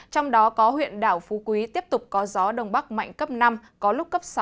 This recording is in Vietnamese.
trong đó có huyện đảo phú quý tiếp tục có gió đông bắc mạnh cấp năm có lúc cấp sáu